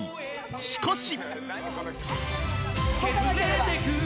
しかし